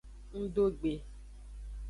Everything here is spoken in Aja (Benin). Ngdo gbe.